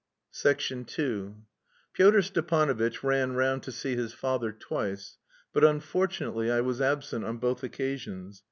II Pyotr Stepanovitch ran round to see his father twice, but unfortunately I was absent on both occasions.